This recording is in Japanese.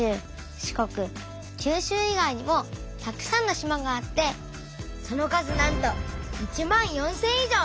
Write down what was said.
四国九州以外にもたくさんの島があってその数なんと１万４，０００以上。